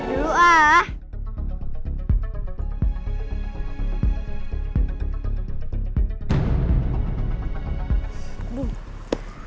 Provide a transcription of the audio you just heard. yang penting ada